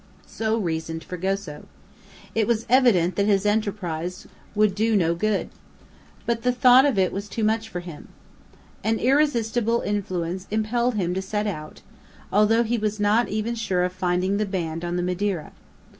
So reasoned Fragoso. It was evident that his enterprise would do no good. But the thought of it was too much for him. An irresistible influence impelled him to set out, although he was not even sure of finding the band on the Madeira.